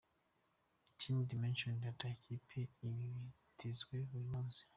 Team Dimension Data ikipe iba yitezwe buri munsi.